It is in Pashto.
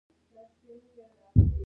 چهارسده ولسوالۍ ولې لیرې ده؟